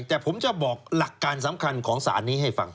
แต่ผมจะบอกหลักการสำคัญของสารนี้ให้ฟัง